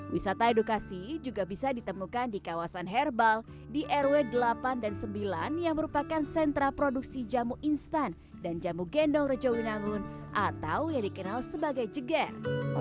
wisata edukasi juga bisa ditemukan di kawasan herbal di rw delapan dan sembilan yang merupakan sentra produksi jamu instan dan jamu gendong rejowinangun atau yang dikenal sebagai jeger